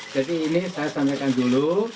jadi ini saya sampaikan dulu